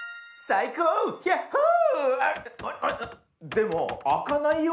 でもあかないよ。